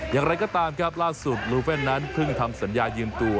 อย่างไรก็ตามครับล่าสุดลูเฟ่นนั้นเพิ่งทำสัญญายืนตัว